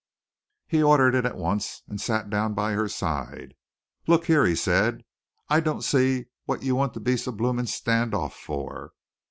He ordered it at once, and sat down by her side. "Look here," he said, "I don't see what you want to be so blooming stand off for.